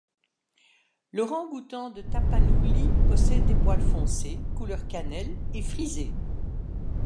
L'orang-outan de Tapanuli possède des poils foncés, couleur cannelle, et frisés.